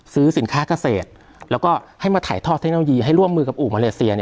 ซื้อสินค้าเกษตรแล้วก็ให้มาถ่ายทอดเทคโนโลยีให้ร่วมมือกับอู่มาเลเซีย